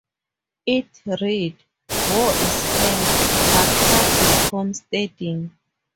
It read: War is Hell, but what is homesteading?